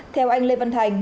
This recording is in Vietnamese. theo anh lê văn thành